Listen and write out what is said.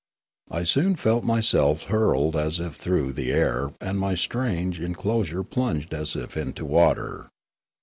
I soon felt myself hurled as if through the air and my strange en closure plunge as if into water.